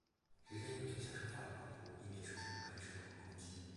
人人有权享受法律保护,以免受这种干涉或攻击。